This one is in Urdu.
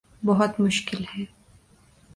بہت مشکل ہے